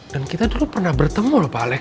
dan kita dulu pernah bertemu lho pak alex